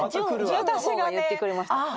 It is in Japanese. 淳子の方が言ってくれました。